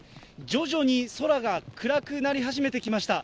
徐々に空が暗くなり始めてきました。